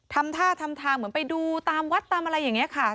ทำท่าทำทางเหมือนไปดูตามวัดตามอะไรอย่างนี้ค่ะ